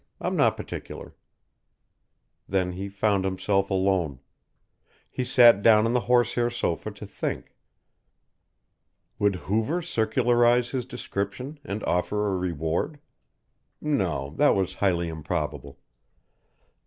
I'm not particular." Then he found himself alone. He sat down on the horsehair sofa to think. Would Hoover circularise his description and offer a reward? No, that was highly improbable.